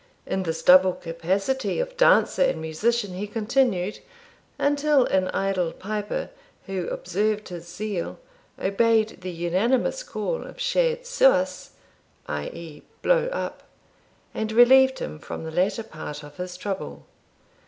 In this double capacity of dancer and musician he continued, until an idle piper, who observed his zeal, obeyed the unanimous call of seid suas (i.e. blow up), and relieved him from the latter part of his trouble.